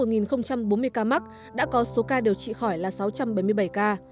trong một bốn mươi ca mắc đã có số ca điều trị khỏi là sáu trăm bảy mươi bảy ca